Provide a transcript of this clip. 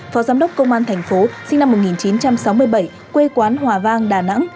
phó giám đốc công an thành phố sinh năm một nghìn chín trăm sáu mươi bảy quê quán hòa vang đà nẵng